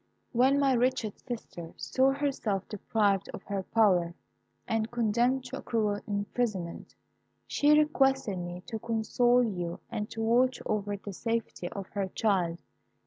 "When my wretched sister saw herself deprived of her power and condemned to a cruel imprisonment, she requested me to console you and to watch over the safety of her child.